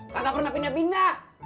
kakak pernah pindah pindah